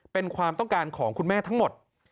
เป็นความต้องการของคุณแม่ทั้งหมด